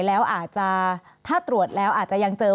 แล้วอาจจะถ้าตรวจแล้วอาจจะยังไงนะครับ